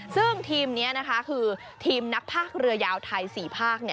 ซึ่งทีมนี้คือทีมนักภักร์เรือยาวไทยสี่ภาค